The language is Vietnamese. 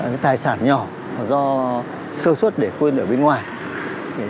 cái tài sản nhỏ do sơ xuất để khuyên ở bên ngoài